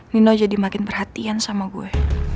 nino jadi makin perhatian sama gue